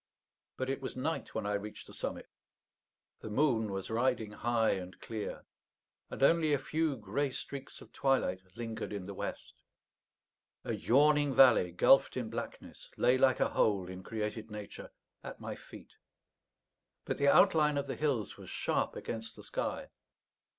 But it was night when I reached the summit; the moon was riding high and clear; and only a few grey streaks of twilight lingered in the west. A yawning valley, gulfed in blackness, lay like a hole in created nature at my feet; but the outline of the hills was sharp against the sky.